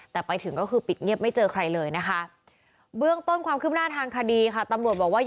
แต่ไปถึงก็คือปิดเงียบไม่เจอใครเลยนะคะ